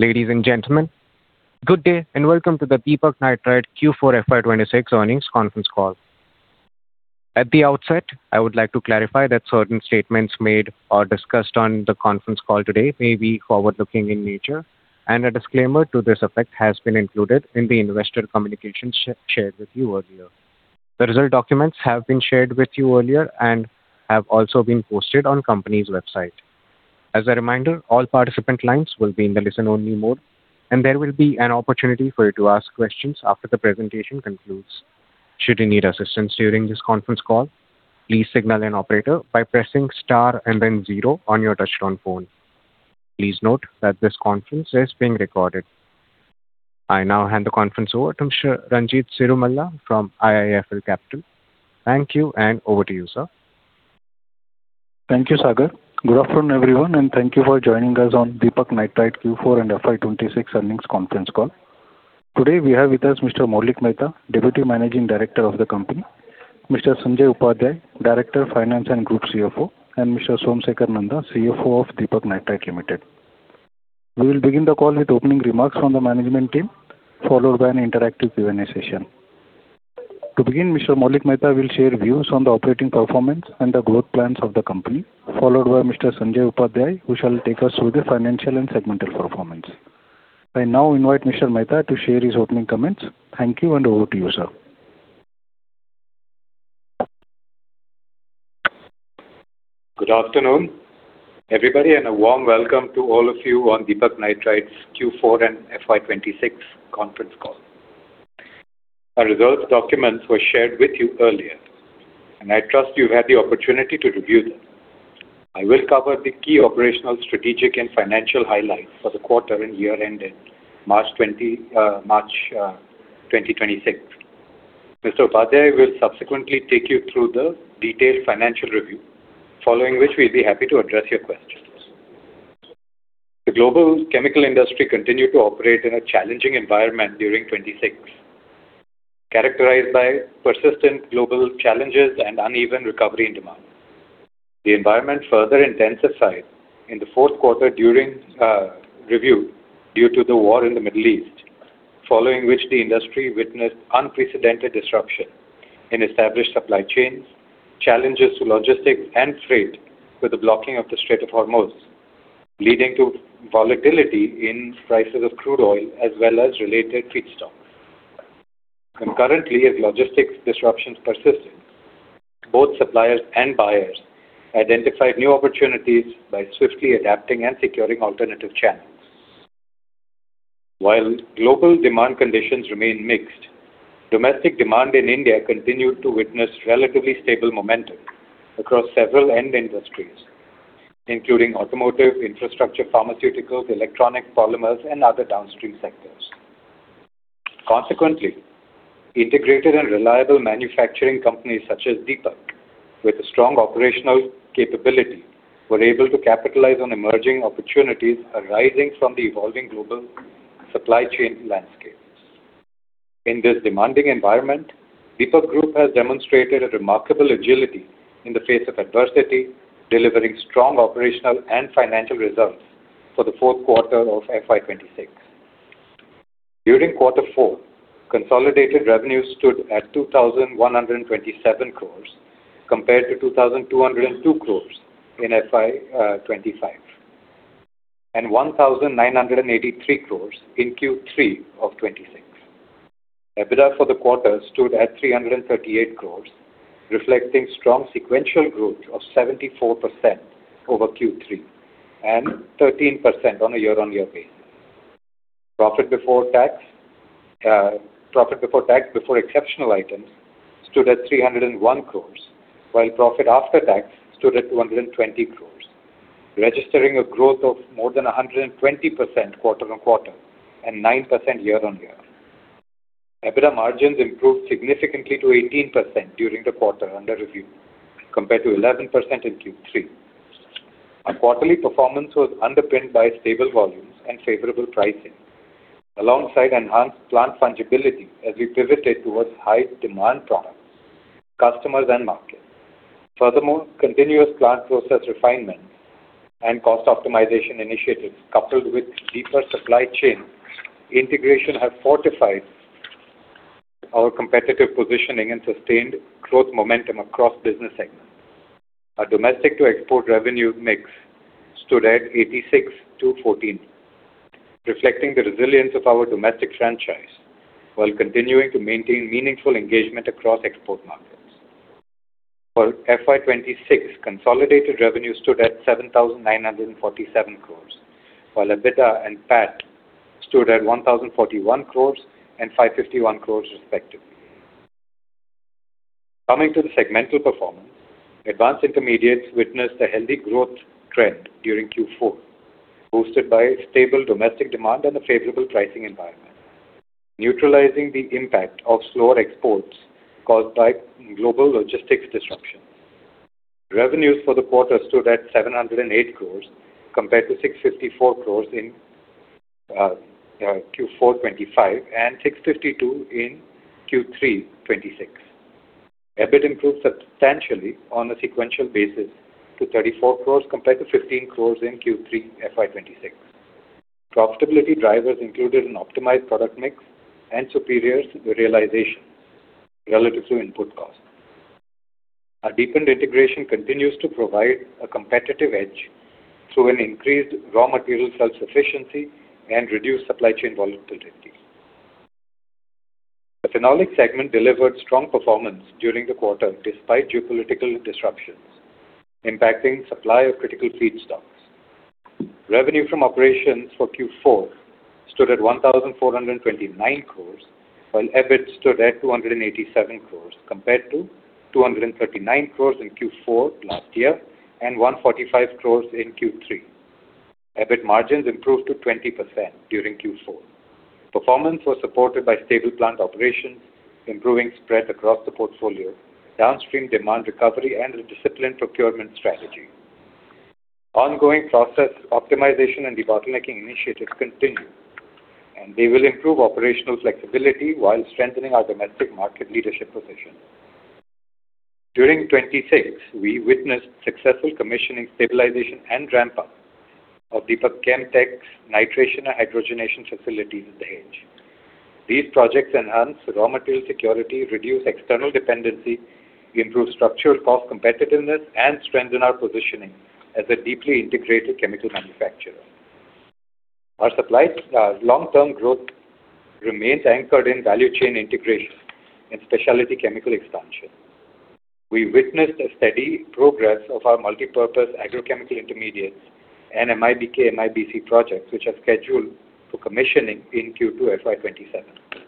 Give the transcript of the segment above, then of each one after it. Ladies and gentlemen, good day, and welcome to the Deepak Nitrite Q4 FY 2026 earnings conference call. At the outset, I would like to clarify that certain statements made or discussed on the conference call today may be forward-looking in nature, and a disclaimer to this effect has been included in the investor communication shared with you earlier. The result documents have been shared with you earlier and have also been posted on company's website. As a reminder, all participant lines will be in the listen only mode, and there will be an opportunity for you to ask questions after the presentation concludes. Should you need assistance during this conference call, please signal an operator by pressing star and then zero on your touchtone phone. Please note that this conference is being recorded. I now hand the conference over to Ranjit Cirumalla from IIFL Capital. Thank you, and over to you, sir. Thank you, Sagar. Good afternoon, everyone, and thank you for joining us on Deepak Nitrite Q4 and FY 2026 earnings conference call. Today, we have with us Mr. Maulik Mehta, Deputy Managing Director of the company, Mr. Sanjay Upadhyay, Director of Finance and Group CFO, and Mr. Somsekhar Nanda, CFO of Deepak Nitrite Limited. We will begin the call with opening remarks from the management team, followed by an interactive Q&A session. To begin, Mr. Maulik Mehta will share views on the operating performance and the growth plans of the company, followed by Mr. Sanjay Upadhyay, who shall take us through the financial and segmental performance. I now invite Mr. Mehta to share his opening comments. Thank you, and over to you, sir. Good afternoon, everybody, and a warm welcome to all of you on Deepak Nitrite's Q4 and FY 2026 conference call. Our results documents were shared with you earlier, and I trust you've had the opportunity to review them. I will cover the key operational, strategic, and financial highlights for the quarter and year ended March 2026. Mr. Upadhyay will subsequently take you through the detailed financial review, following which we'll be happy to address your questions. The global chemical industry continued to operate in a challenging environment during 2026, characterized by persistent global challenges and uneven recovery in demand. The environment further intensified in the Q4 during review due to the war in the Middle East, following which the industry witnessed unprecedented disruption in established supply chains, challenges to logistics and freight with the blocking of the Strait of Hormuz, leading to volatility in prices of crude oil as well as related feedstock. Concurrently, as logistics disruptions persisted, both suppliers and buyers identified new opportunities by swiftly adapting and securing alternative channels. While global demand conditions remain mixed, domestic demand in India continued to witness relatively stable momentum across several end industries, including automotive, infrastructure, pharmaceuticals, electronic polymers, and other downstream sectors. Consequently, integrated and reliable manufacturing companies such as Deepak, with a strong operational capability, were able to capitalize on emerging opportunities arising from the evolving global supply chain landscape. In this demanding environment, Deepak Group has demonstrated a remarkable agility in the face of adversity, delivering strong operational and financial results for the Q4 of FY 2026. During quarter four, consolidated revenue stood at 2,127 crores compared to 2,202 crores in FY 2025 and 1,983 crores in Q3 of 2026. EBITDA for the quarter stood at 338 crores, reflecting strong sequential growth of 74% over Q3 and 13% on a year-on-year base. Profit before tax before exceptional items stood at 301 crores, while profit after tax stood at 120 crores, registering a growth of more than 120% quarter-on-quarter and 9% year-on-year. EBITDA margins improved significantly to 18% during the quarter under review, compared to 11% in Q3. Our quarterly performance was underpinned by stable volumes and favorable pricing alongside enhanced plant fungibility as we pivoted towards high demand products, customers, and markets. Furthermore, continuous plant process refinement and cost optimization initiatives coupled with deeper supply chain integration have fortified our competitive positioning and sustained growth momentum across business segments. Our domestic to export revenue mix stood at 86-14, reflecting the resilience of our domestic franchise while continuing to maintain meaningful engagement across export markets. For FY 2026, consolidated revenue stood at 7,947 crores, while EBITDA and PAT stood at 1,041 crores and 551 crores respectively. Coming to the segmental performance, Advanced Intermediates witnessed a healthy growth trend during Q4, boosted by stable domestic demand and a favorable pricing environment, neutralizing the impact of slower exports caused by global logistics disruption. Revenues for the quarter stood at 708 crores compared to 654 crores in Q4 2025 and 652 crores in Q3 2026. EBIT improved substantially on a sequential basis to 34 crores compared to 15 crores in Q3 FY 2026. Profitability drivers included an optimized product mix and superior realization relative to input costs. Our deepened integration continues to provide a competitive edge through an increased raw material self-sufficiency and reduced supply chain volatility. The Phenolics segment delivered strong performance during the quarter despite geopolitical disruptions impacting supply of critical feedstocks. Revenue from operations for Q4 stood at 1,429 crores, while EBIT stood at 287 crores compared to 239 crores in Q4 last year and 145 crores in Q3. EBIT margins improved to 20% during Q4. Performance was supported by stable plant operations, improving spread across the portfolio, downstream demand recovery and a disciplined procurement strategy. Ongoing process optimization and debottlenecking initiatives continue, and they will improve operational flexibility while strengthening our domestic market leadership position. During 2026, we witnessed successful commissioning, stabilization, and ramp-up of Deepak Chem Tech's nitration and hydrogenation facilities at Dahej. These projects enhance raw material security, reduce external dependency, improve structural cost competitiveness, and strengthen our positioning as a deeply integrated chemical manufacturer. Our supply long-term growth remains anchored in value chain integration and specialty chemical expansion. We witnessed a steady progress of our multipurpose agrochemical intermediates and MIBK/MIBC projects, which are scheduled for commissioning in Q2 FY 2027.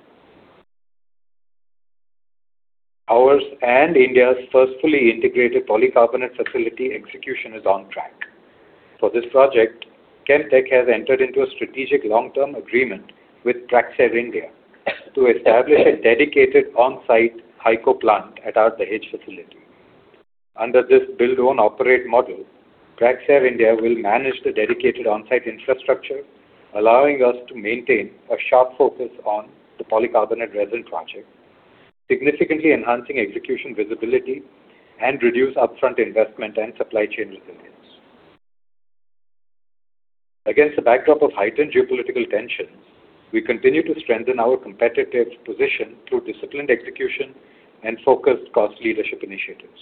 Ours and India's first fully integrated polycarbonate facility execution is on track. For this project, Chemtech has entered into a strategic long-term agreement with Praxair India to establish a dedicated on-site HYCO plant at our Dahej facility. Under this build own operate model, Praxair India will manage the dedicated on-site infrastructure, allowing us to maintain a sharp focus on the polycarbonate resin project, significantly enhancing execution visibility and reduce upfront investment and supply chain resilience. Against the backdrop of heightened geopolitical tensions, we continue to strengthen our competitive position through disciplined execution and focused cost leadership initiatives.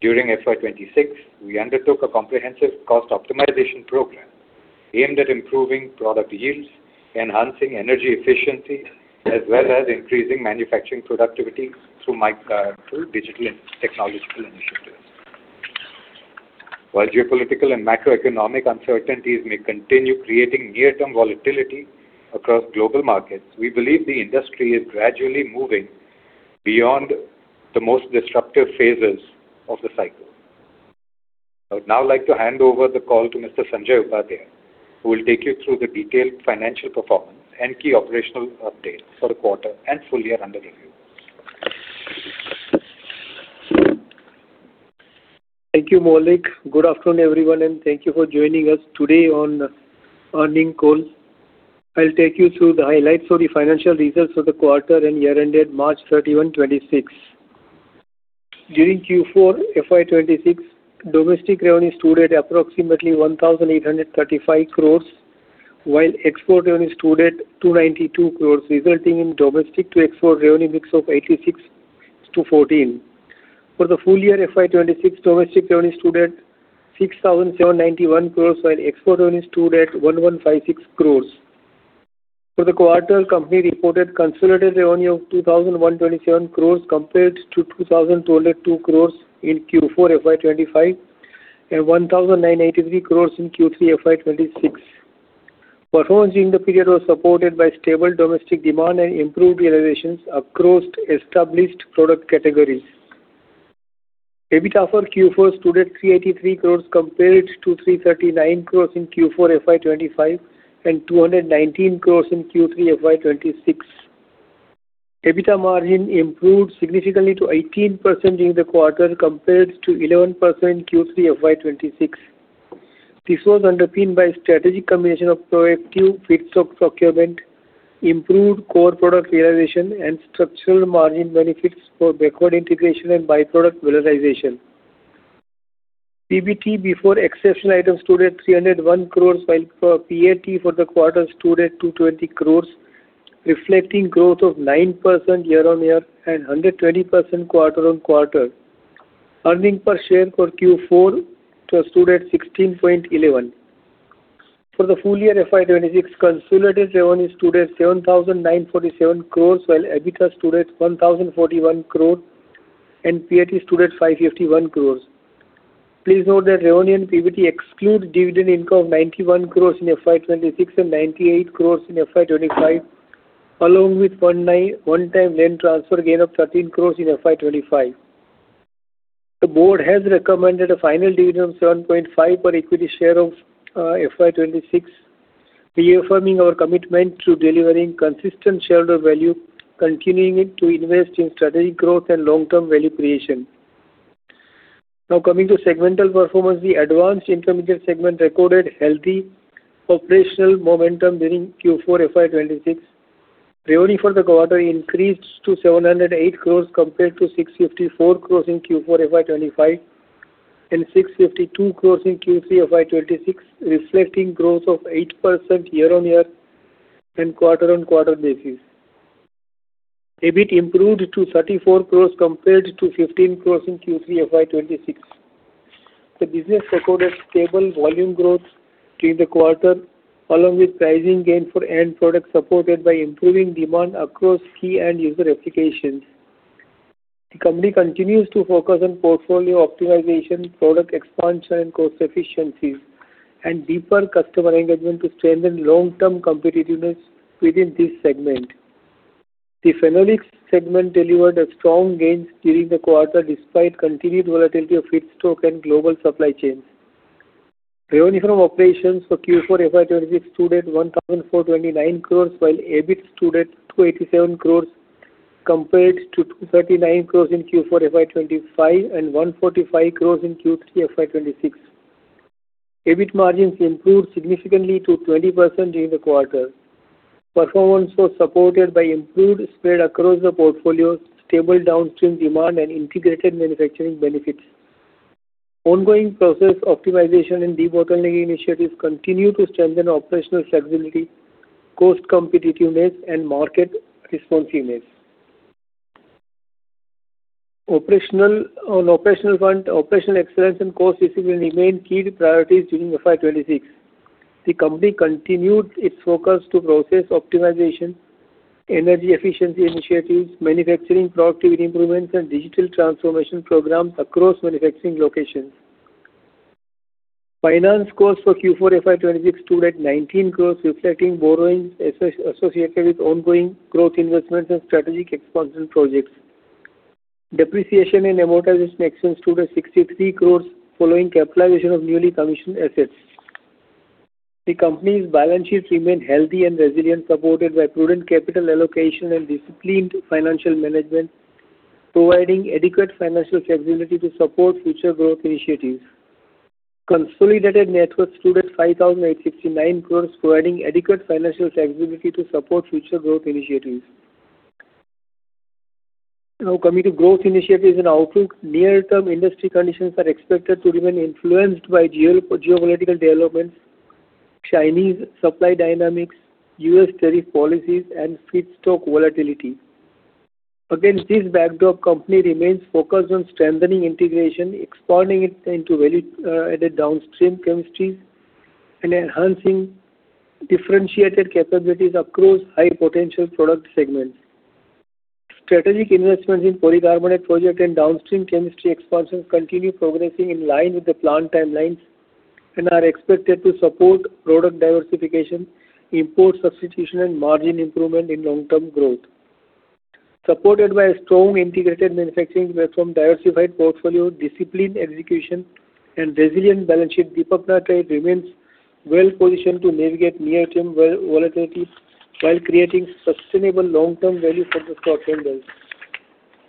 During FY 2026, we undertook a comprehensive cost optimization program aimed at improving product yields, enhancing energy efficiency, as well as increasing manufacturing productivity through digital and technological initiatives. While geopolitical and macroeconomic uncertainties may continue creating near-term volatility across global markets, we believe the industry is gradually moving beyond the most disruptive phases of the cycle. I would now like to hand over the call to Mr. Sanjay Upadhyay, who will take you through the detailed financial performance and key operational updates for the quarter and full year under review. Thank you, Maulik. Good afternoon, everyone, and thank you for joining us today on earnings call. I'll take you through the highlights of the financial results for the quarter and year ended March 31st, 2026. During Q4 FY 2026, domestic revenue stood at approximately 1,835 crore, while export revenue stood at 292 crore, resulting in domestic to export revenue mix of 86-14. For the full year FY 2026, domestic revenue stood at 6,791 crore, while export revenue stood at 1,156 crore. For the quarter, company reported consolidated revenue of 2,127 crore compared to 2,202 crore in Q4 FY 2025 and 1,983 crore in Q3 FY 2026. Performance in the period was supported by stable domestic demand and improved realizations across established product categories. EBITDA for Q4 stood at 383 crores compared to 339 crores in Q4 FY 2025 and 219 crores in Q3 FY 2026. EBITDA margin improved significantly to 18% during the quarter compared to 11% in Q3 FY 2026. This was underpinned by strategic combination of proactive fixed procurement, improved core product realization and structural margin benefits for backward integration and byproduct realization. PBT before exceptional items stood at 301 crores, while PAT for the quarter stood at 220 crores, reflecting growth of 9% year-on-year and 120% quarter-on-quarter. Earning per share for Q4 stood at 16.11. For the full year FY 2026, consolidated revenue stood at 7,947 crores, while EBITDA stood at 1,041 crore and PAT stood at 551 crores. Please note that revenue and PBT excludes dividend income of 91 crores in FY 2026 and 98 crores in FY 2025, along with one time land transfer gain of 13 crores in FY 2025. The board has recommended a final dividend of 7.5 per equity share of FY 2026, reaffirming our commitment to delivering consistent shareholder value, continuing it to invest in strategic growth and long-term value creation. Coming to segmental performance, the Advanced Intermediates segment recorded healthy operational momentum during Q4 FY 2026. Revenue for the quarter increased to 708 crores compared to 654 crores in Q4 FY 2025 and 652 crores in Q3 FY 2026, reflecting growth of 8% year-on-year and quarter-on-quarter basis. EBIT improved to 34 crores compared to 15 crores in Q3 FY 2026. The business recorded stable volume growth during the quarter, along with pricing gain for end products supported by improving demand across key end user applications. The company continues to focus on portfolio optimization, product expansion and cost efficiencies, and deeper customer engagement to strengthen long-term competitiveness within this segment. The Phenolics segment delivered a strong gains during the quarter despite continued volatility of feedstock and global supply chains. Revenue from operations for Q4 FY 2026 stood at INR 1,429 crores, while EBIT stood at 287 crores compared to 239 crores in Q4 FY 2025 and 145 crores in Q3 FY 2026. EBIT margins improved significantly to 20% during the quarter. Performance was supported by improved spread across the portfolio, stable downstream demand and integrated manufacturing benefits. Ongoing process optimization and debottlenecking initiatives continue to strengthen operational flexibility, cost competitiveness and market responsiveness. On operational front, operational excellence and cost discipline remain key priorities during FY 2026. The company continued its focus to process optimization, energy efficiency initiatives, manufacturing productivity improvements, and digital transformation programs across manufacturing locations. Finance costs for Q4 FY 2026 stood at 19 crores, reflecting borrowings associated with ongoing growth investments and strategic expansion projects. Depreciation and amortization expense stood at 63 crores following capitalization of newly commissioned assets. The company's balance sheets remain healthy and resilient, supported by prudent capital allocation and disciplined financial management, providing adequate financial flexibility to support future growth initiatives. Consolidated net worth stood at 5,859 crores, providing adequate financial flexibility to support future growth initiatives. Coming to growth initiatives and outlook. Near-term industry conditions are expected to remain influenced by geopolitical developments, Chinese supply dynamics, U.S. tariff policies and feedstock volatility. Against this backdrop, company remains focused on strengthening integration, expanding it into value added downstream chemistries and enhancing differentiated capabilities across high potential product segments. Strategic investments in polycarbonate project and downstream chemistry expansions continue progressing in line with the planned timelines and are expected to support product diversification, import substitution and margin improvement in long-term growth. Supported by a strong integrated manufacturing platform, diversified portfolio, disciplined execution and resilient balance sheet, Deepak Nitrite remains well positioned to navigate near-term volatility while creating sustainable long-term value for its stockholders.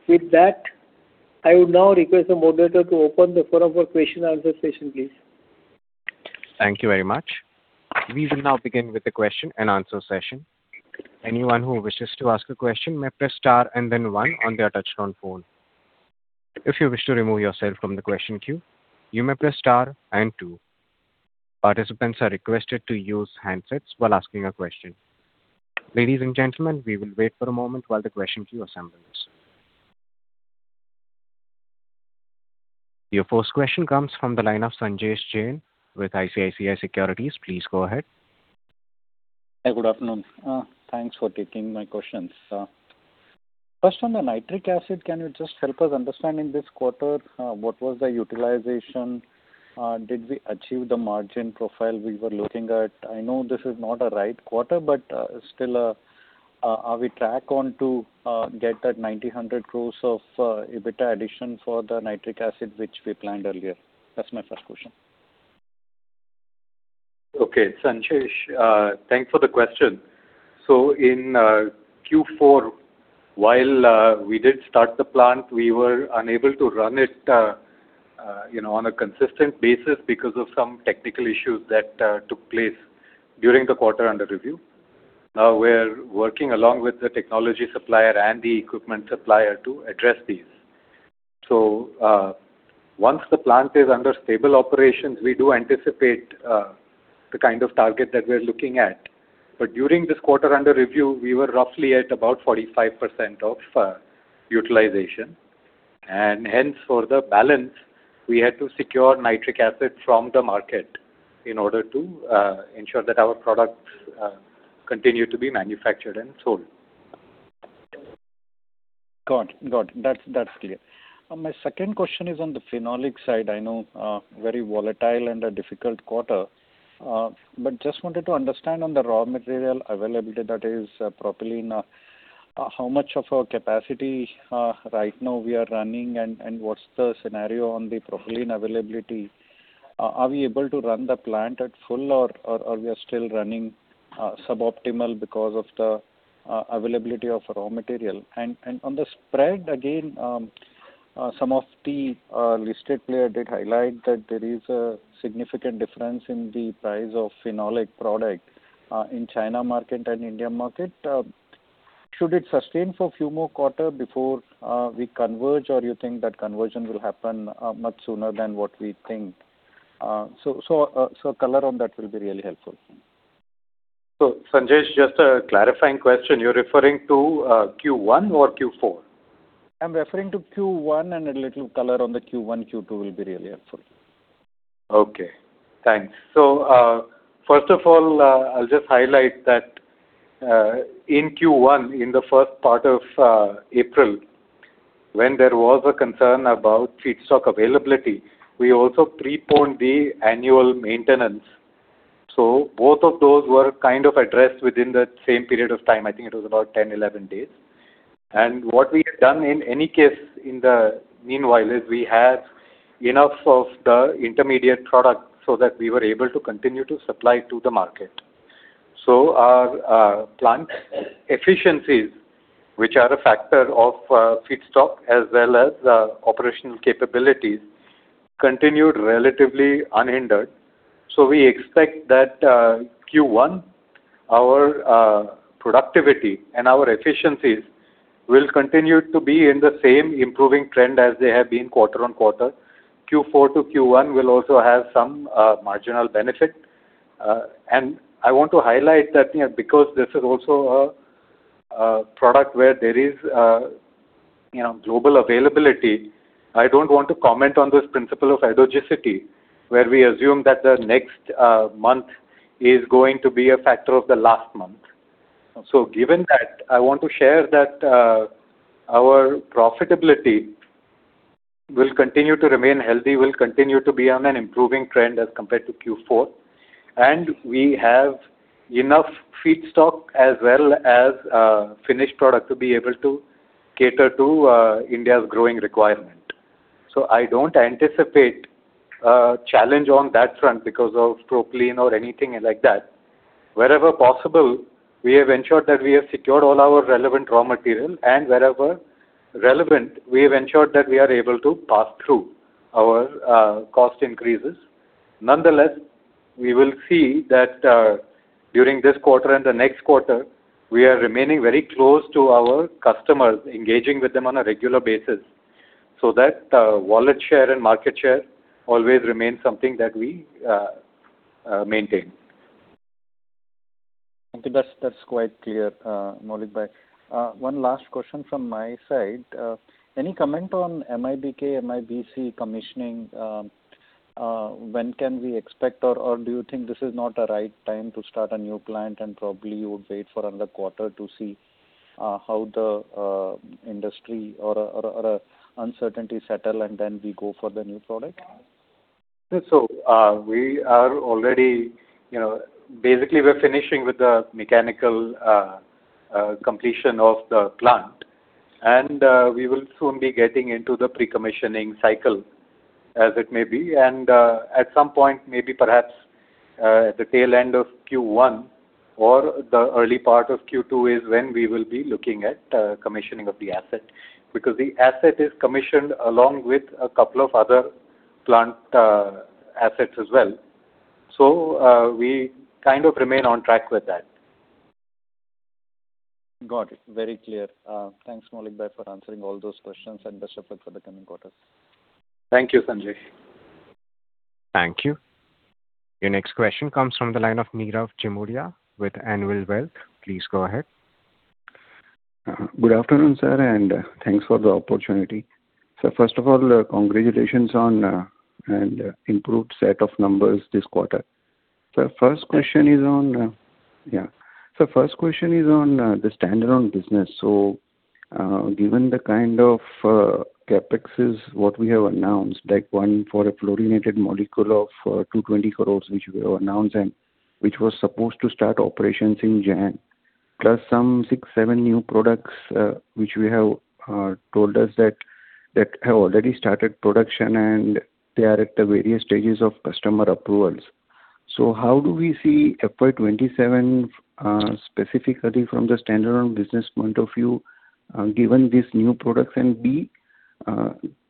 With that, I would now request the moderator to open the floor for question answer session, please. Thank you very much. We will now begin with the question and answer session. Anyone who wishes to ask a question, you may press star and then one on the touchstone phone. If you wish to remove yourself from the question queue, you may press star and two. Participants are requested to uses handsets while asking a question. Ladies and gentlemen, we will wait for a moment while the question queue is assembled. Your first question comes from the line of Sanjesh Jain with ICICI Securities. Please go ahead. Hi, good afternoon. Thanks for taking my questions. First on the nitric acid, can you just help us understand in this quarter, what was the utilization? Did we achieve the margin profile we were looking at? I know this is not a right quarter, but still, are we track on to get that 900 crores of EBITDA addition for the nitric acid which we planned earlier? That's my first question. Sanjesh, thanks for the question. In Q4, while we did start the plant, we were unable to run it, you know, on a consistent basis because of some technical issues that took place during the quarter under review. We're working along with the technology supplier and the equipment supplier to address these. Once the plant is under stable operations, we do anticipate the kind of target that we're looking at. During this quarter under review, we were roughly at about 45% of utilization. Hence for the balance we had to secure nitric acid from the market in order to ensure that our products continue to be manufactured and sold. Got it. Got it. That's, that's clear. My second question is on the Phenolics side. I know, very volatile and a difficult quarter, but just wanted to understand on the raw material availability that is propylene, how much of our capacity right now we are running and what's the scenario on the propylene availability? Are we able to run the plant at full or we are still running suboptimal because of the availability of raw material? On the spread, again, some of the listed player did highlight that there is a significant difference in the price of phenolic product in China market and India market. Should it sustain for a few more quarter before we converge, or you think that conversion will happen much sooner than what we think? Color on that will be really helpful. Sanjay, just a clarifying question. You're referring to Q1 or Q4? I'm referring to Q1, and a little color on the Q1, Q2 will be really helpful. Okay. Thanks. First of all, I'll just highlight that in Q1, in the first part of April, when there was a concern about feedstock availability, we also preponed the annual maintenance. Both of those were kind of addressed within that same period of time. I think it was about 10, 11 days. What we have done in any case in the meanwhile is we had enough of the intermediate product so that we were able to continue to supply to the market. Our plant efficiencies, which are a factor of feedstock as well as operational capabilities, continued relatively unhindered. We expect that Q1, our productivity and our efficiencies will continue to be in the same improving trend as they have been quarter-on-quarter. Q4 to Q1 will also have some marginal benefit. And I want to highlight that, you know, because this is also a product where there is, you know, global availability, I don't want to comment on this principle of endogeneity, where we assume that the next month is going to be a factor of the last month. Given that, I want to share that our profitability will continue to remain healthy, will continue to be on an improving trend as compared to Q4, and we have enough feedstock as well as finished product to be able to cater to India's growing requirement. I don't anticipate a challenge on that front because of propylene or anything like that. Wherever possible, we have ensured that we have secured all our relevant raw material, and wherever relevant, we have ensured that we are able to pass through our cost increases. We will see that during this quarter and the next quarter, we are remaining very close to our customers, engaging with them on a regular basis, so that wallet share and market share always remain something that we maintain. Okay. That's quite clear, Maulik bhai. One last question from my side. Any comment on MIBK, MIBC commissioning? When can we expect or do you think this is not the right time to start a new plant and probably you would wait for another quarter to see how the industry or uncertainty settle and then we go for the new product? We are already, you know Basically, we're finishing with the mechanical completion of the plant, we will soon be getting into the pre-commissioning cycle as it may be. At some point, maybe perhaps, at the tail end of Q1 or the early part of Q2 is when we will be looking at commissioning of the asset. Because the asset is commissioned along with a couple of other plant assets as well. We kind of remain on track with that. Got it. Very clear. Thanks, Maulik bhai, for answering all those questions and best of luck for the coming quarters. Thank you, Sanjay. Thank you. Your next question comes from the line of Nirav Jimudia with Anvil Wealth. Please go ahead. Good afternoon, sir, and thanks for the opportunity. First of all, congratulations on an improved set of numbers this quarter. The first question is on the standalone business. Given the kind of CapEx what we have announced, like one for a fluorinated molecule of 220 crores which we have announced and which was supposed to start operations in January, plus some six, seven new products which we have told us that have already started production and they are at the various stages of customer approvals. How do we see FY 2027 specifically from the standalone business point of view, given these new products? B,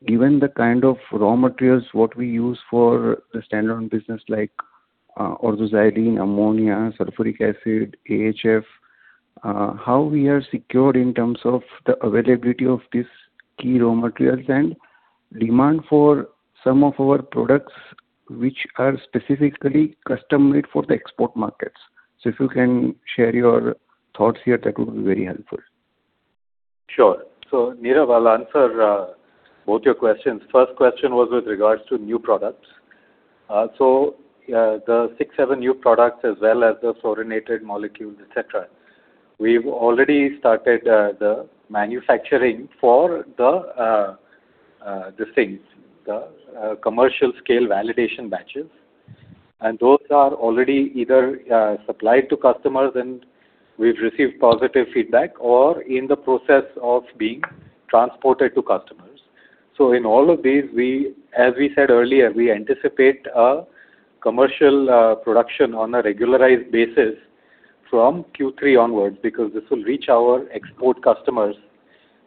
given the kind of raw materials, what we use for the standalone business like ortho-xylene, ammonia, sulfuric acid, AHF, how we are secured in terms of the availability of these key raw materials and demand for some of our products which are specifically custom-made for the export markets? If you can share your thoughts here, that would be very helpful. Sure. Nirav, I'll answer both your questions. First question was with regards to new products. The six, seven new products as well as the fluorinated molecules, et cetera, we've already started the manufacturing for the things, the commercial scale validation batches. And those are already either supplied to customers and we've received positive feedback or in the process of being transported to customers. In all of these, we as we said earlier, we anticipate a commercial production on a regularized basis from Q3 onwards because this will reach our export customers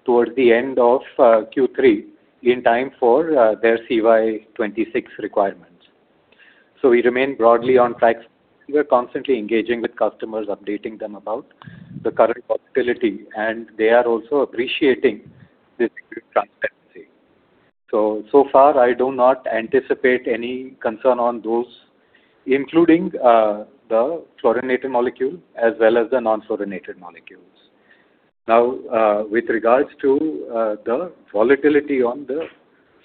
towards the end of Q3 in time for their CY 2026 requirements. We remain broadly on track. We are constantly engaging with customers, updating them about the current possibility, and they are also appreciating this transparency. So far I do not anticipate any concern on those, including the fluorinated molecule as well as the non-fluorinated molecules. Now, with regards to the volatility on the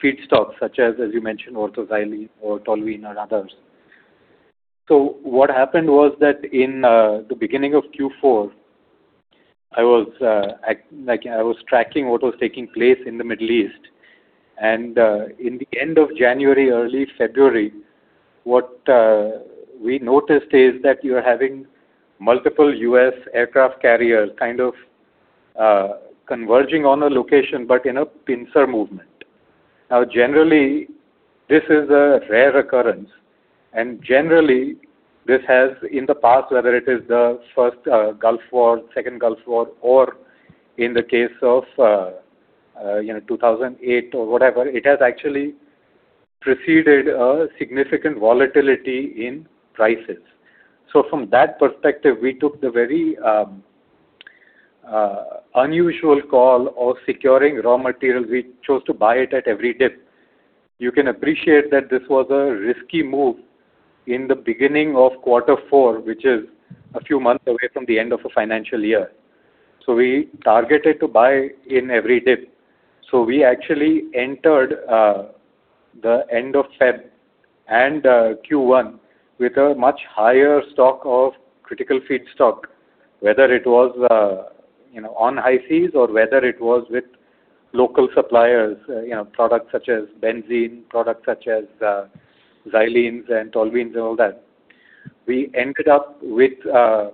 feedstock such as you mentioned, ortho-xylene or toluene or others. What happened was that in the beginning of Q4, I was tracking what was taking place in the Middle East and in the end of January, early February, what we noticed is that you are having multiple U.S. aircraft carriers kind of converging on a location, but in a pincer movement. Generally, this is a rare occurrence, and generally this has in the past, whether it is the first Gulf War, second Gulf War, or in the case of, you know, 2008 or whatever, it has actually preceded a significant volatility in prices. From that perspective, we took the very unusual call of securing raw materials. We chose to buy it at every dip. You can appreciate that this was a risky move in the beginning of quarter four, which is a few months away from the end of a financial year. We targeted to buy in every dip. We actually entered the end of Feb and Q1 with a much higher stock of critical feedstock, whether it was, you know, on high seas or whether it was with local suppliers, you know, products such as benzene, products such as xylenes and toluenes and all that. We ended up with a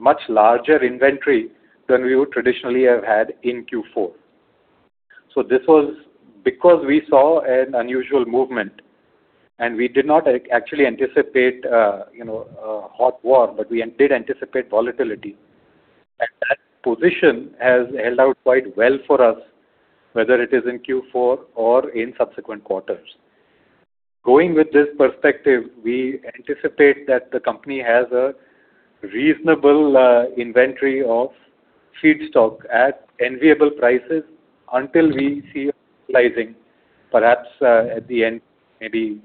much larger inventory than we would traditionally have had in Q4. This was because we saw an unusual movement and we did not actually anticipate, you know, a hot war, but we did anticipate volatility. That position has held out quite well for us, whether it is in Q4 or in subsequent quarters. Going with this perspective, we anticipate that the company has a reasonable inventory of feedstock at enviable prices until we see rising, perhaps, at the end, maybe,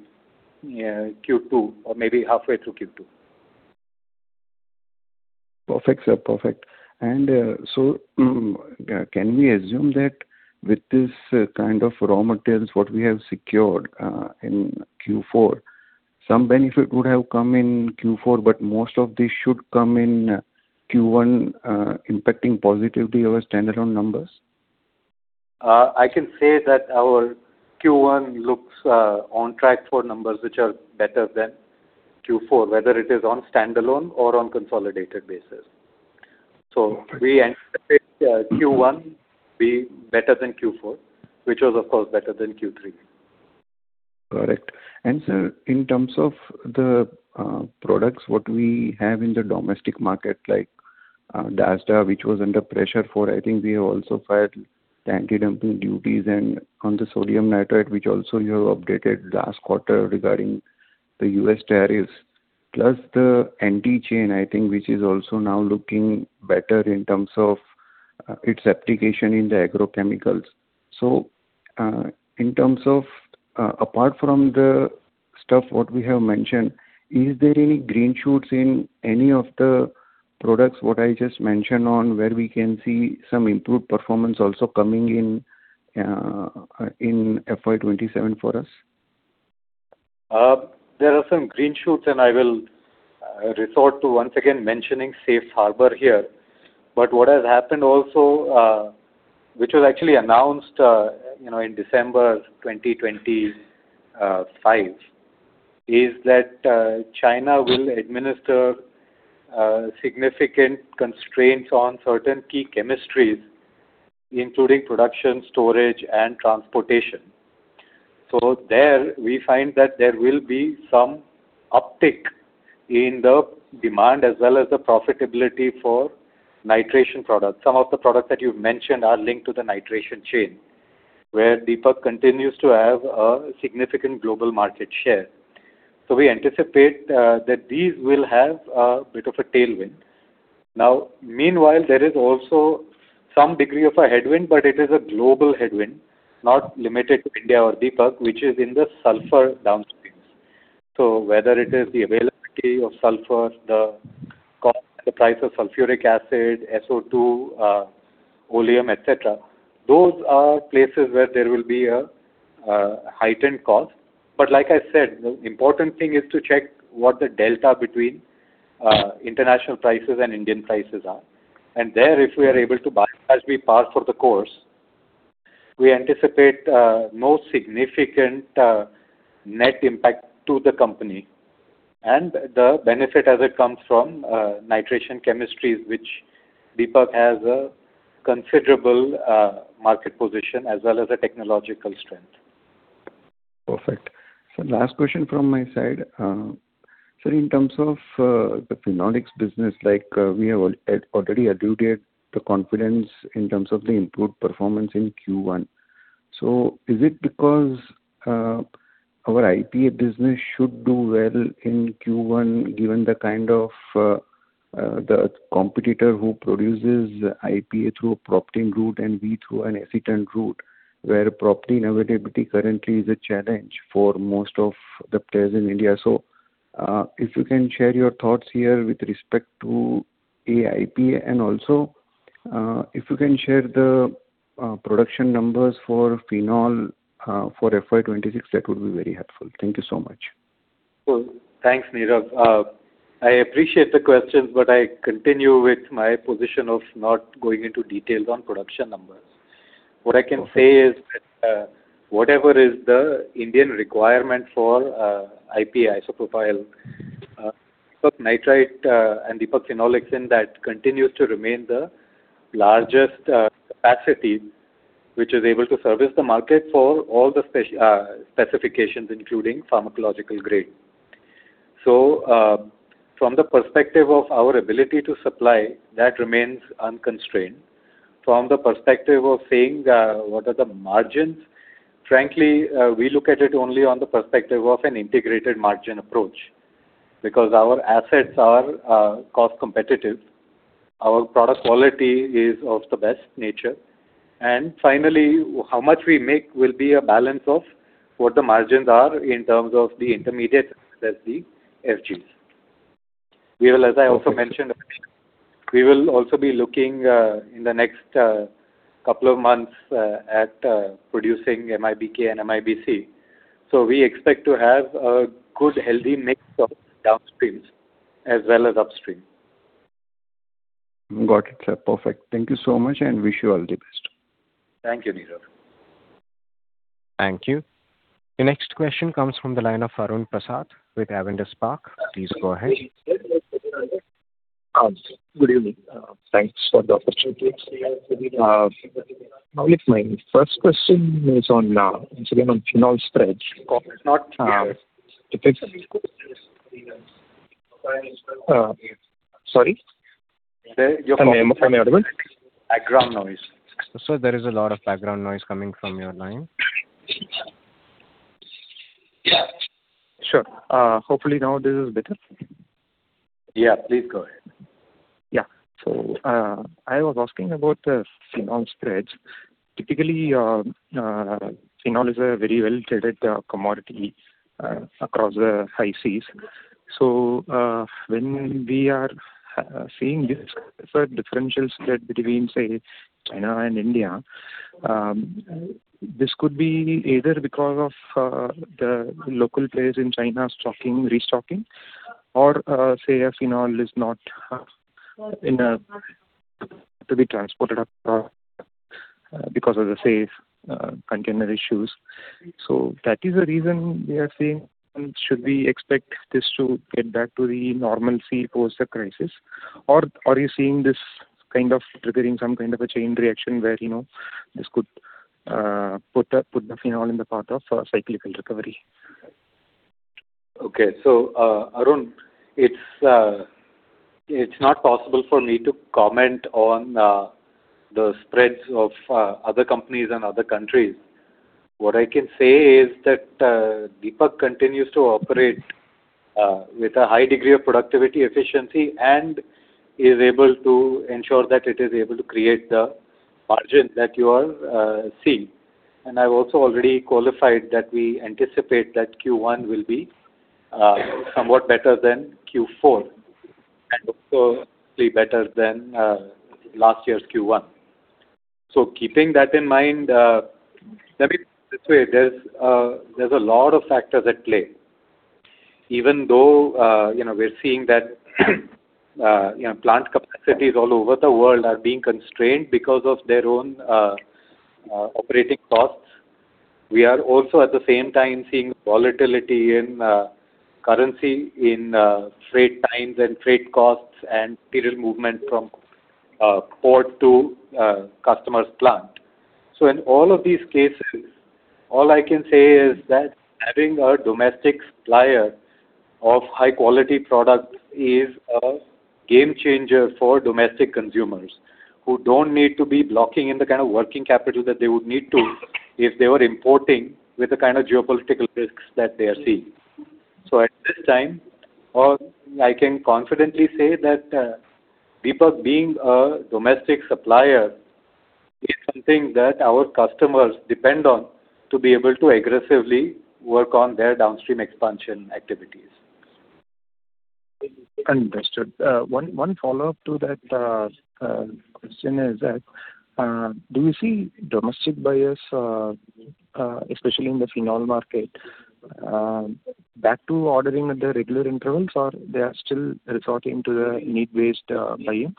Q2 or maybe halfway through Q2. Perfect, sir. Perfect. Can we assume that with this kind of raw materials, what we have secured, in Q4, some benefit would have come in Q4, but most of this should come in Q1, impacting positively our standalone numbers? I can say that our Q1 looks on track for numbers which are better than Q4, whether it is on standalone or on consolidated basis. Perfect. We anticipate Q1 be better than Q4, which was of course better than Q3. Correct. Sir, in terms of the products, what we have in the domestic market, like DASDA, which was under pressure for I think we have also filed anti-dumping duties and on the sodium nitrite, which also you have updated last quarter regarding the U.S. tariffs, plus the anti-dumping duties, I think, which is also now looking better in terms of its application in the agrochemicals. In terms of, apart from the stuff what we have mentioned, is there any green shoots in any of the products, what I just mentioned on where we can see some improved performance also coming in FY 2027 for us? There are some green shoots, I will resort to once again mentioning safe harbor here. What has happened also, which was actually announced, you know, in December 2025, is that China will administer significant constraints on certain key chemistries, including production, storage and transportation. There we find that there will be some uptick in the demand as well as the profitability for nitration products. Some of the products that you've mentioned are linked to the nitration chain, where Deepak continues to have a significant global market share. We anticipate that these will have a bit of a tailwind. Meanwhile, there is also some degree of a headwind, but it is a global headwind, not limited to India or Deepak, which is in the sulfur downstreams. Whether it is the availability of sulfur, the cost, the price of sulfuric acid, SO2, oleum, et cetera, those are places where there will be a heightened cost. Like I said, the important thing is to check what the delta between international prices and Indian prices are. There, if we are able to buy, we anticipate no significant net impact to the company and the benefit as it comes from nitration chemistries, which Deepak has a considerable market position as well as a technological strength. Perfect. Last question from my side. Sir, in terms of the Phenolics business, like, we have already alluded the confidence in terms of the input performance in Q1. Is it because our IPA business should do well in Q1 given the kind of the competitor who produces IPA through a propylene route and we through an acetone route, where propylene availability currently is a challenge for most of the players in India. If you can share your thoughts here with respect to IPA and also, if you can share the production numbers for phenol for FY 2026, that would be very helpful. Thank you so much. Cool. Thanks, Nirav. I appreciate the questions, but I continue with my position of not going into details on production numbers. Okay. What I can say is that, whatever is the Indian requirement for IPA, isopropyl alcohol, and Deepak Phenolics in that continues to remain the largest capacity which is able to service the market for all the specifications, including pharmacological grade. From the perspective of our ability to supply, that remains unconstrained. From the perspective of saying, what are the margins, frankly, we look at it only on the perspective of an integrated margin approach because our assets are cost competitive. Our product quality is of the best nature. Finally, how much we make will be a balance of what the margins are in terms of the intermediate as the FGs. We will, as I also mentioned, we will also be looking in the next couple of months at producing MIBK and MIBC. We expect to have a good, healthy mix of downstreams as well as upstream. Got it, sir. Perfect. Thank you so much, and wish you all the best. Thank you, Nirav. Thank you. The next question comes from the line of Arun Prasath with Avendus Spark. Please go ahead. Good evening. Thanks for the opportunity. My first question is on incident on phenol spreads. Sorry? Sir, your voice- Am I audible? Background noise. Sir, there is a lot of background noise coming from your line. Yeah. Sure. Hopefully now this is better. Yeah, please go ahead. Yeah. I was asking about phenol spreads. Typically, phenol is a very well-traded commodity across the high seas. When we are seeing these preferred differential spread between, say, China and India, this could be either because of the local players in China stocking, restocking or, say, a phenol is not in to be transported because of the safe container issues. That is a reason we are seeing. Should we expect this to get back to the normalcy post the crisis? Or are you seeing this kind of triggering some kind of a chain reaction where, you know, this could put the phenol in the path of cyclical recovery? Okay. Arun, it's not possible for me to comment on the spreads of other companies and other countries. What I can say is that Deepak continues to operate with a high degree of productivity efficiency and is able to ensure that it is able to create the margin that you all see. I've also already qualified that we anticipate that Q1 will be somewhat better than Q4, and also be better than last year's Q1. Keeping that in mind, let me put it this way. There's a lot of factors at play. Even though, you know, we're seeing that, you know, plant capacities all over the world are being constrained because of their own operating costs. We are also at the same time seeing volatility in currency in freight times and freight costs and material movement from port to customer's plant. In all of these cases, all I can say is that having a domestic supplier of high quality products is a game changer for domestic consumers who don't need to be blocking in the kind of working capital that they would need to if they were importing with the kind of geopolitical risks that they are seeing. At this time, all I can confidently say that Deepak being a domestic supplier is something that our customers depend on to be able to aggressively work on their downstream expansion activities. Understood. One follow-up to that question is that, do you see domestic buyers, especially in the phenol market, back to ordering at the regular intervals or they are still resorting to the need-based buying?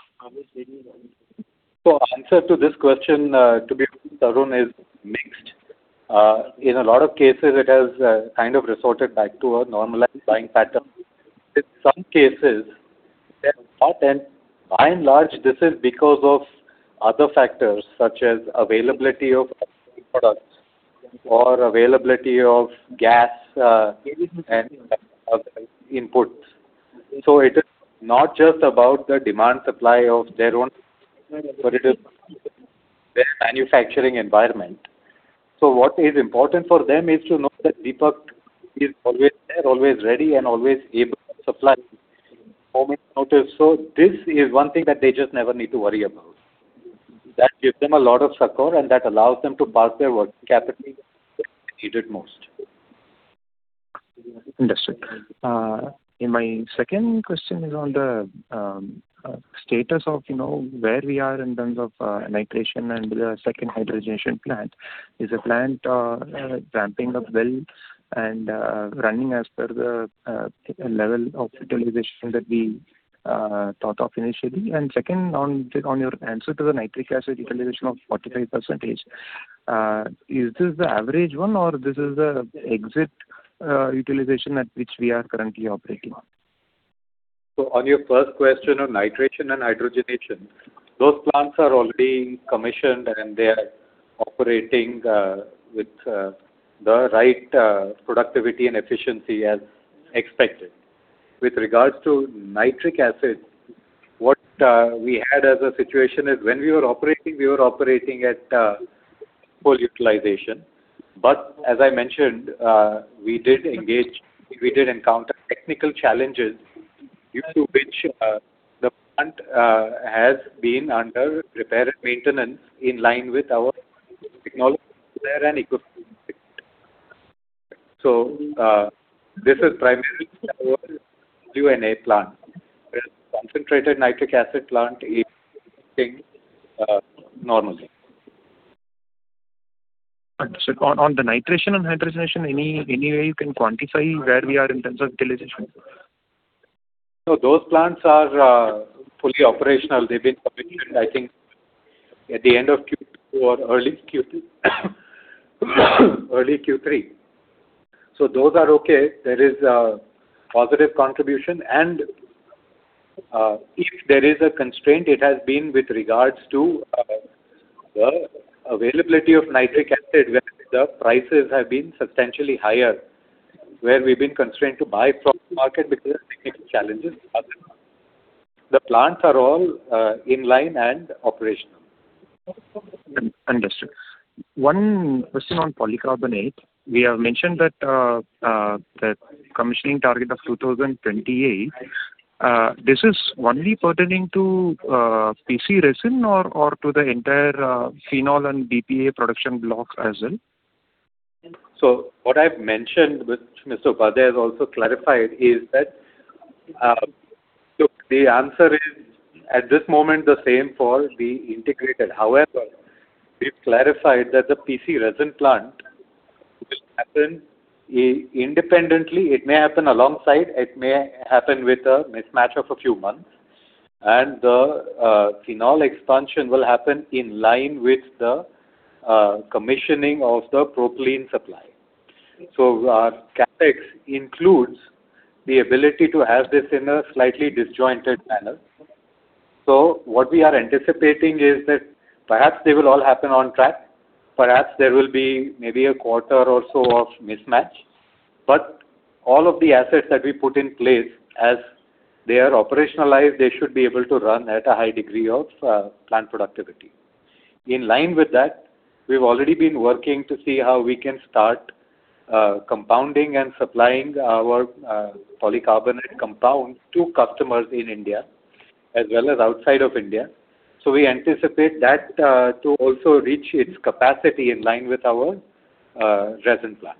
Answer to this question, to be clear, Arun, is mixed. In a lot of cases, it has kind of resorted back to a normalized buying pattern. In some cases, they have not, and by and large, this is because of other factors such as availability of products or availability of gas and other inputs. It is not just about the demand supply of their own, but it is their manufacturing environment. What is important for them is to know that Deepak is always there, always ready, and always able to supply at a moment's notice. This is one thing that they just never need to worry about. That gives them a lot of succor, and that allows them to park their working capital where needed most. Understood. My second question is on the status of, you know, where we are in terms of nitration and the second hydrogenation plant. Is the plant ramping up well and running as per the level of utilization that we thought of initially? Second, on your answer to the nitric acid utilization of 45%, is this the average one or this is the exit utilization at which we are currently operating on? On your first question on nitration and hydrogenation, those plants are already commissioned, and they are operating with the right productivity and efficiency as expected. With regards to nitric acid, what we had as a situation is when we were operating, we were operating at full utilization. As I mentioned, we did encounter technical challenges due to which the plant has been under repair and maintenance in line with our technology there and equipment. This is primarily our CNA plant. The concentrated nitric acid plant is operating normally. Understood. On the nitration and hydrogenation, any way you can quantify where we are in terms of utilization? No, those plants are fully operational. They've been commissioned, I think, at the end of Q2 or early Q3. Early Q3. Those are okay. There is a positive contribution. If there is a constraint, it has been with regards to the availability of nitric acid, where the prices have been substantially higher, where we've been constrained to buy from the market because of technical challenges. The plants are all in line and operational. Understood. One question on polycarbonate. We have mentioned that, the commissioning target of 2028, this is only pertaining to PC resin or to the entire phenol and BPA production block as well? What I've mentioned, which Mr. Upadhyay has also clarified, is that, look, the answer is at this moment the same for the integrated. However, we've clarified that the PC resin plant will happen independently. It may happen alongside, it may happen with a mismatch of a few months. The phenol expansion will happen in line with the commissioning of the propylene supply. Capex includes the ability to have this in a slightly disjointed manner. What we are anticipating is that perhaps they will all happen on track. Perhaps there will be maybe a quarter or so of mismatch. All of the assets that we put in place, as they are operationalized, they should be able to run at a high degree of plant productivity. In line with that, we've already been working to see how we can start compounding and supplying our polycarbonate compounds to customers in India as well as outside of India. We anticipate that to also reach its capacity in line with our resin plant.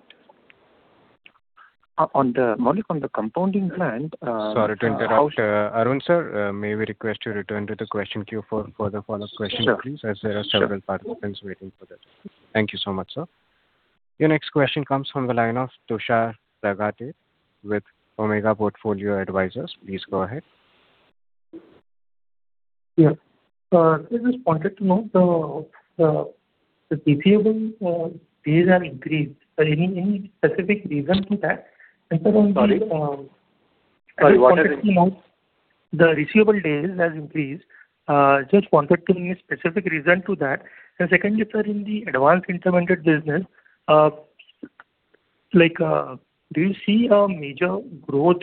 Maulik, on the compounding plant. Sorry to interrupt, Arun, sir. May we request you return to the question queue for further follow-up questions, please? Sure. As there are several participants waiting for that. Thank you so much, sir. Your next question comes from the line of Tushar Raghatate with Omega Portfolio Advisors. Please go ahead. Yeah. I just wanted to know the receivable days have increased. Any specific reason to that? Sorry? Sorry, what did you say? The receivable days has increased. Just wanted to know a specific reason to that. Secondly, sir, in the Advanced Intermediates business, like, do you see a major growth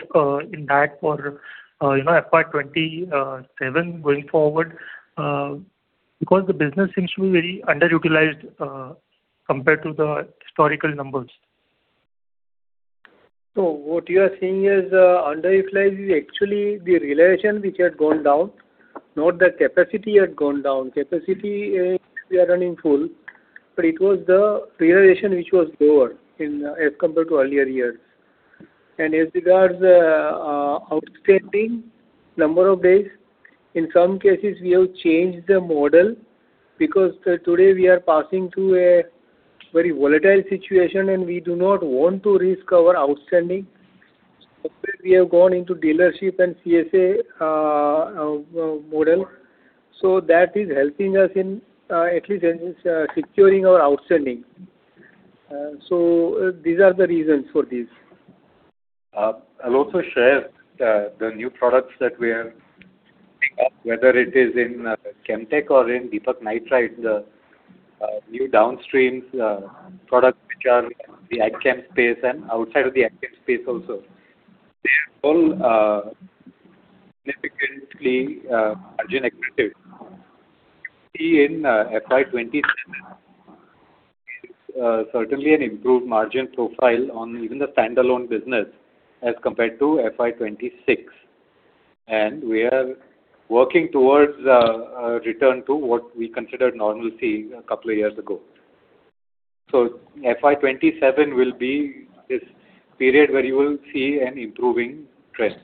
in that for, you know, FY 2027 going forward? Because the business seems to be very underutilized compared to the historical numbers. What you are seeing as underutilized is actually the realization which had gone down, not the capacity had gone down. Capacity, we are running full, but it was the realization which was lower in as compared to earlier years. As regards outstanding number of days, in some cases, we have changed the model because today we are passing through a very volatile situation, and we do not want to risk our outstanding. After we have gone into dealership and CSA model. That is helping us in at least in securing our outstanding. These are the reasons for this. I'll also share the new products that we have, whether it is in Chem Tech or in Deepak Nitrite, the new downstream products which are in the Ag Chem space and outside of the Ag Chem space also. They are all significantly margin accretive. See in FY 2027, certainly an improved margin profile on even the standalone business as compared to FY 2026. We are working towards a return to what we considered normalcy a couple of years ago. FY 2027 will be this period where you will see an improving trend.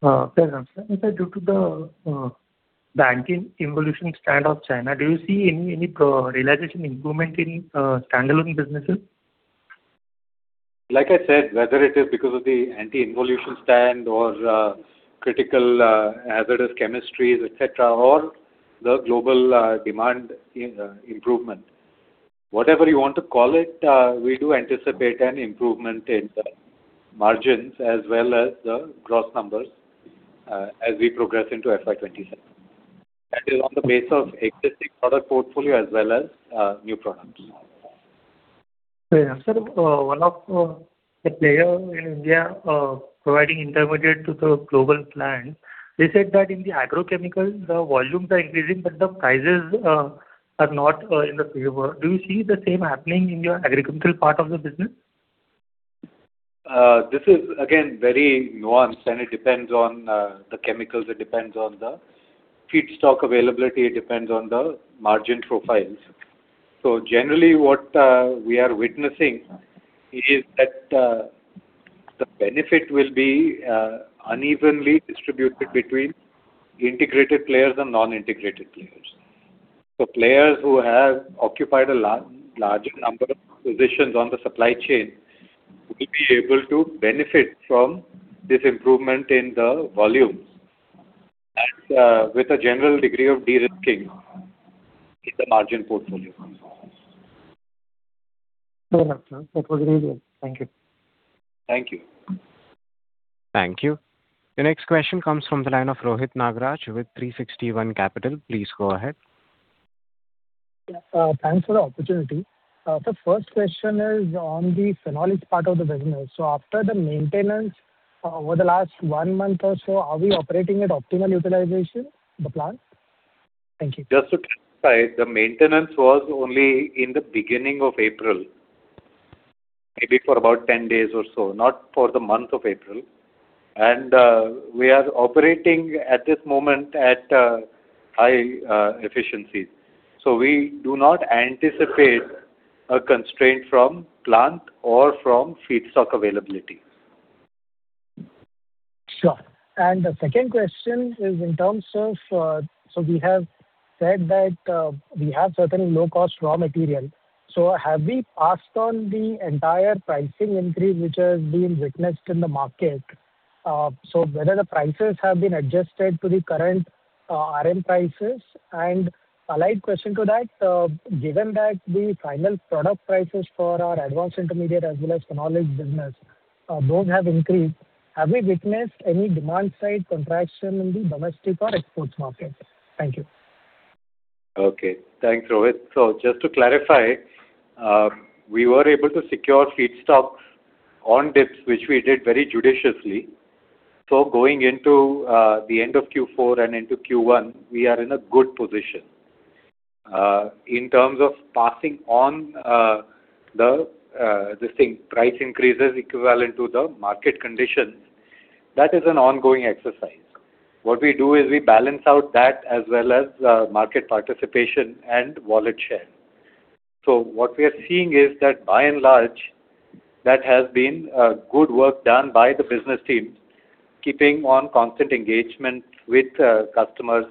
Fair enough. Sir, due to the anti-involution stand of China, do you see any realization improvement in standalone businesses? Like I said, whether it is because of the anti-involution stand or critical hazardous chemistries, et cetera, or the global demand in improvement, whatever you want to call it, we do anticipate an improvement in the margins as well as the gross numbers as we progress into FY 2027. That is on the base of existing product portfolio as well as new products. Fair enough. Sir, one of the player in India, providing intermediate to the global plant, they said that in the agrochemicals, the volumes are increasing, but the prices are not in the favor. Do you see the same happening in your agricultural part of the business? This is again, very nuanced, and it depends on the chemicals, it depends on the feedstock availability, it depends on the margin profiles. Generally, what we are witnessing is that the benefit will be unevenly distributed between integrated players and non-integrated players. Players who have occupied a larger number of positions on the supply chain will be able to benefit from this improvement in the volumes and with a general degree of de-risking in the margin portfolio. Fair enough, sir. That was really it. Thank you. Thank you. Thank you. The next question comes from the line of Rohit Nagaraj with 360 ONE Capital. Please go ahead. Thanks for the opportunity. The first question is on the Phenolics part of the business. After the maintenance over the last one month or so, are we operating at optimal utilization, the plant? Thank you. Just to clarify, the maintenance was only in the beginning of April, maybe for about 10 days or so, not for the month of April. We are operating at this moment at high efficiency. We do not anticipate a constraint from plant or from feedstock availability. Sure. The second question is in terms of, so we have said that, we have certain low-cost raw material. Have we passed on the entire pricing increase which has been witnessed in the market? Whether the prices have been adjusted to the current RM prices? A live question to that, given that the final product prices for our Advanced Intermediates as well as Phenolics business, both have increased, have we witnessed any demand side contraction in the domestic or export market? Thank you. Okay. Thanks, Rohit. Just to clarify, we were able to secure feedstocks on dips, which we did very judiciously. Going into the end of Q4 and into Q1, we are in a good position. In terms of passing on the same price increases equivalent to the market conditions, that is an ongoing exercise. What we do is we balance out that as well as market participation and wallet share. What we are seeing is that by and large, that has been good work done by the business teams, keeping on constant engagement with customers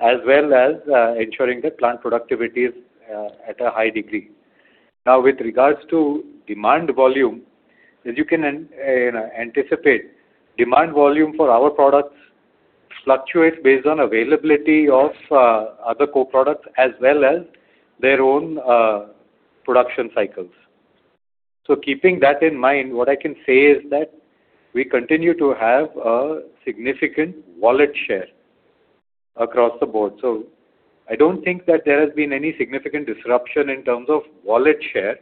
as well as ensuring the plant productivity is at a high degree. With regards to demand volume, as you can anticipate, demand volume for our products fluctuates based on availability of other co-products as well as their own production cycles. Keeping that in mind, what I can say is that we continue to have a significant wallet share across the board. I don't think that there has been any significant disruption in terms of wallet share.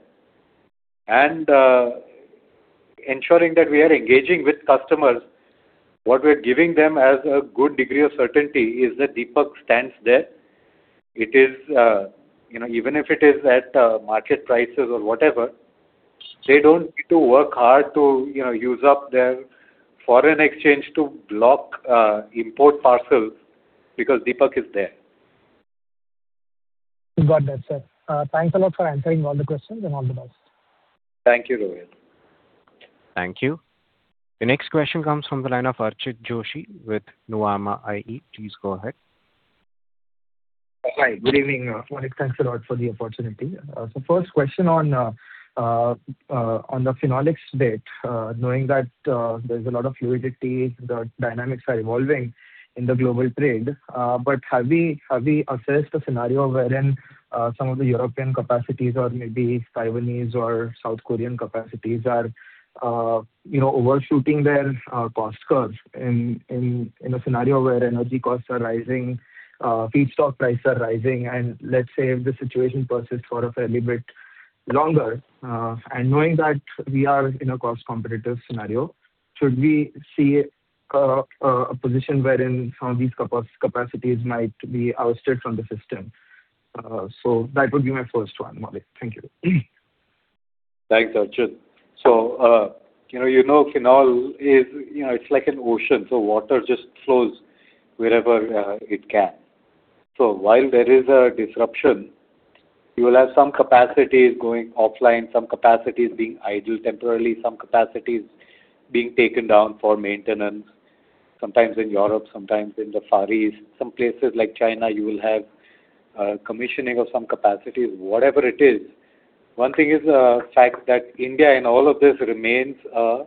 Ensuring that we are engaging with customers, what we're giving them as a good degree of certainty is that Deepak stands there. It is, you know, even if it is at market prices or whatever, they don't need to work hard to, you know, use up their foreign exchange to block import parcels because Deepak is there. We got that, sir. Thanks a lot for answering all the questions, and all the best. Thank you, Rohit. Thank you. The next question comes from the line of Archit Joshi with Nuvama IE. Please go ahead. Hi, good evening, Maulik. Thanks a lot for the opportunity. First question on the Phenolics bit, knowing that there's a lot of fluidity, the dynamics are evolving in the global trade. Have we assessed a scenario wherein some of the European capacities or maybe Taiwanese or South Korean capacities are, you know, overshooting their cost curves in a scenario where energy costs are rising, feedstock prices are rising, and let's say if the situation persists for a fairly bit longer, and knowing that we are in a cost competitive scenario, should we see a position wherein some of these capacities might be ousted from the system? That would be my first one, Maulik. Thank you. Thanks, Archit. You know, you know, phenol is, you know, it's like an ocean, water just flows wherever it can. While there is a disruption, you will have some capacities going offline, some capacities being idle temporarily, some capacities being taken down for maintenance, sometimes in Europe, sometimes in the Far East. Some places like China, you will have commissioning of some capacities. Whatever it is, one thing is fact that India, in all of this, remains a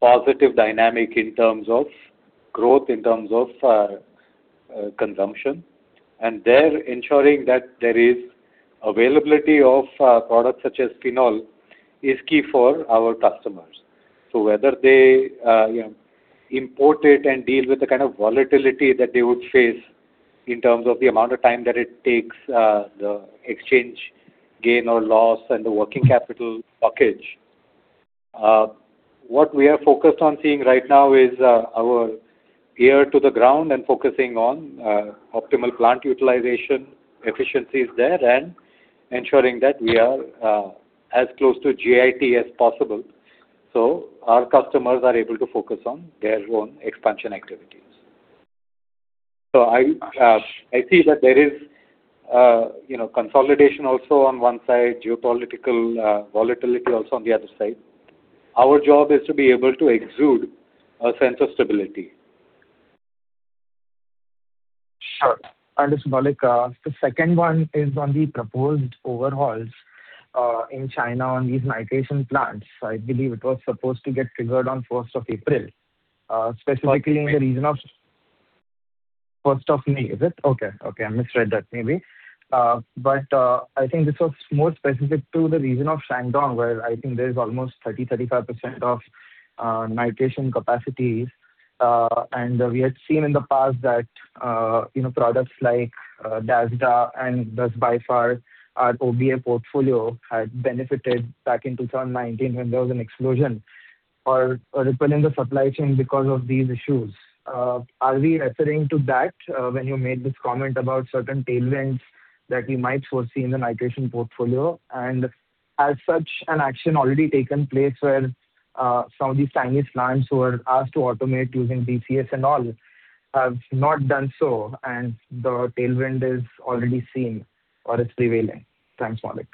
positive dynamic in terms of growth, in terms of consumption. There ensuring that there is availability of products such as phenol is key for our customers. Whether they, you know, import it and deal with the kind of volatility that they would face in terms of the amount of time that it takes, the exchange gain or loss and the working capital blockage. What we are focused on seeing right now is our ear to the ground and focusing on optimal plant utilization efficiencies there and ensuring that we are as close to JIT as possible, so our customers are able to focus on their own expansion activities. I see that there is, you know, consolidation also on one side, geopolitical volatility also on the other side. Our job is to be able to exude a sense of stability. Sure. Just, Maulik, the second one is on the proposed overhauls in China on these nitration plants. I believe it was supposed to get triggered on April 1st. May. -in the region of May 1st, is it? Okay. Okay, I misread that maybe. But, I think this was more specific to the region of Shandong, where I think there is almost 30%, 35% of nitration capacities. And we had seen in the past that, you know, products like DASDA and thus by far our OBA portfolio had benefited back in 2019 when there was an explosion or ripple in the supply chain because of these issues. Are we referring to that when you made this comment about certain tailwinds that we might foresee in the nitration portfolio? And has such an action already taken place where some of these Chinese plants who are asked to automate using DCS and all have not done so, and the tailwind is already seen or it's prevailing? Thanks, Maulik.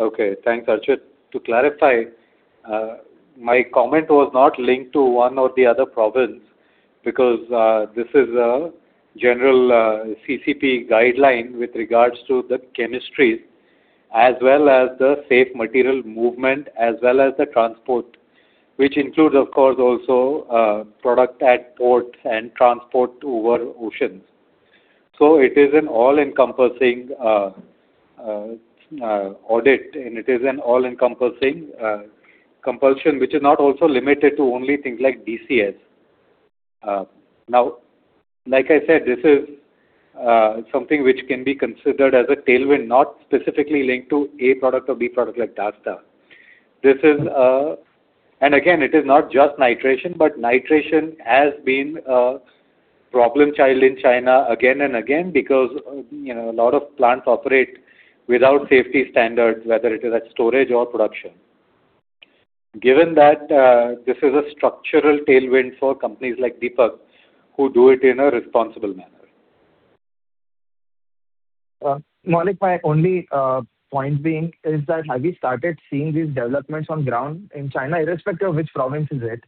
Okay. Thanks, Archit. To clarify, my comment was not linked to one or the other province because this is a general CCP guideline with regards to the chemistries as well as the safe material movement, as well as the transport, which includes, of course, also product at ports and transport over oceans. It is an all-encompassing audit, and it is an all-encompassing compulsion, which is not also limited to only things like DCS. Now, like I said, this is something which can be considered as a tailwind, not specifically linked to A product or B product like DASDA. This is. Again, it is not just nitration, but nitration has been a problem child in China again and again because, you know, a lot of plants operate without safety standards, whether it is at storage or production. Given that, this is a structural tailwind for companies like Deepak who do it in a responsible manner. Maulik, my only point being is that have you started seeing these developments on ground in China, irrespective of which province is it?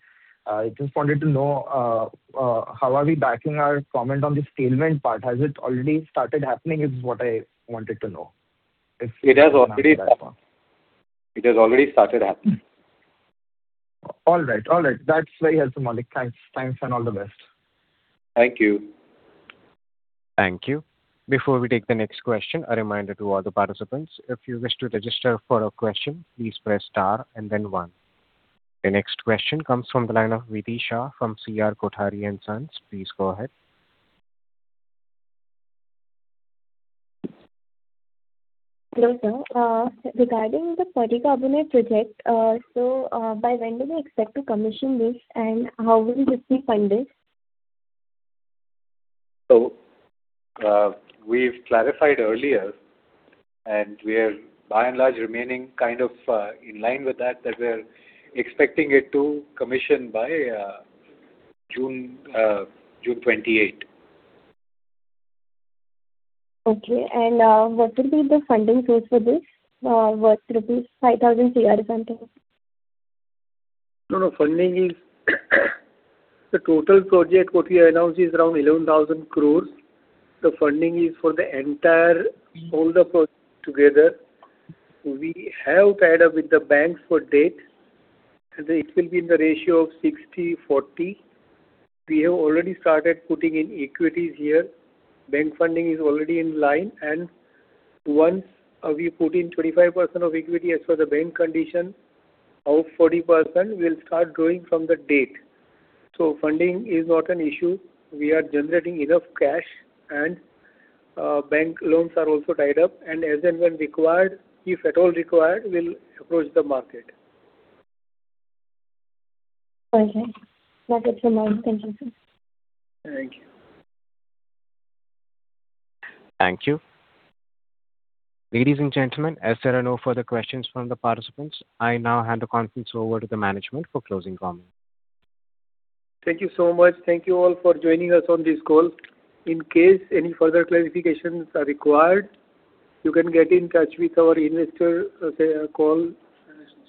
I just wanted to know, how are we backing our comment on this tailwind part? Has it already started happening, is what I wanted to know. It has already started happening. All right. All right. That's very helpful, Maulik. Thanks. Thanks and all the best. Thank you. Thank you. Before we take the next question, a reminder to all the participants. If you wish to register for a question, please press star and then one. The next question comes from the line of Vidhi Shah from C.R. Kothari & Sons. Please go ahead. Hello, sir. Regarding the polycarbonate project, by when do we expect to commission this, and how will this be funded? We've clarified earlier, and we are by and large remaining kind of, in line with that we're expecting it to commission by, June 28th. Okay. What will be the funding source for this, worth rupees 5,000 crore approximately? No, no, funding is. The total project what we announced is around 11,000 crores. The funding is for the entire- -whole the project together. We have tied up with the banks for debt. It will be in the ratio of 60:40. We have already started putting in equities here. Bank funding is already in line. Once we put in 25% of equity as per the bank condition, of 40% will start growing from the date. Funding is not an issue. We are generating enough cash and bank loans are also tied up. As and when required, if at all required, we'll approach the market. Okay. That's it, sir. Thank you, sir. Thank you. Thank you. Ladies and gentlemen, as there are no further questions from the participants, I now hand the conference over to the management for closing comments. Thank you so much. Thank you all for joining us on this call. In case any further clarifications are required, you can get in touch with our investor call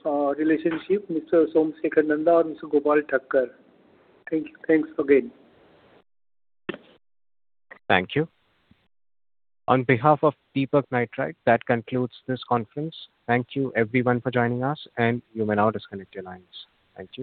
relationship, Mr. Somasekhar Nanda and Mr. Gopal Thakker. Thanks again. Thank you. On behalf of Deepak Nitrite, that concludes this conference. Thank you everyone for joining us, and you may now disconnect your lines. Thank you.